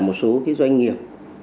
một số doanh nghiệp